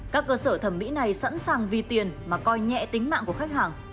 các cơ sở thẩm mỹ này sẵn sàng vì tiền mà coi nhẹ tính mạng của khách hàng